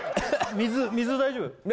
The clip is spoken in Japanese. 水水大丈夫？